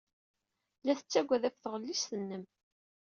La tettaggad ɣef tɣellist-nnem.